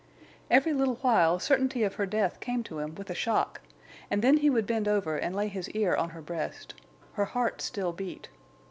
Every little while certainty of her death came to him with a shock; and then he would bend over and lay his ear on her breast. Her heart still beat.